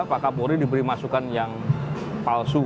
pak kapolri diberi masukan yang palsu